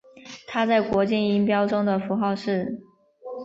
它在国际音标中的符号是。